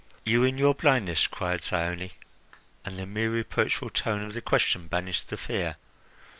"You in your blindness?" cried Thyone, and the mere reproachful tone of the question banished the fear.